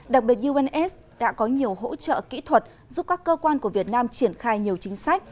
đặc biệt uns đã có nhiều hỗ trợ kỹ thuật giúp các cơ quan của việt nam triển khai nhiều chính sách